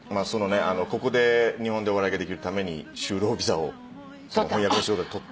ここで日本でお笑いができるために就労ビザを翻訳の仕事で取って。